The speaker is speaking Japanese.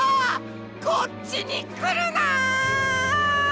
こっちにくるな！